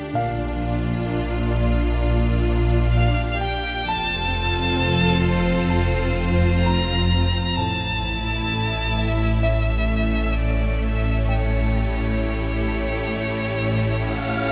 sampai jumpa lagi